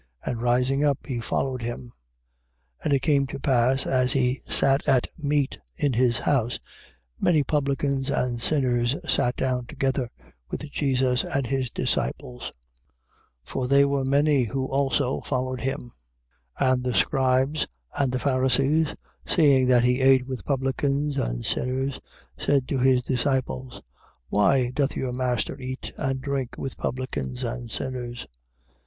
And rising up, he followed him. 2:15. And it came to pass as he sat at meat in his house, many Publicans and sinners sat down together with Jesus and his disciples. For they, with Jesus who also followed him. For they were many, who also followed him. 2:16. And the scribes and the Pharisees, seeing that he ate with publicans and sinners, said to his disciples: Why doth your master eat and drink with publicans and sinners?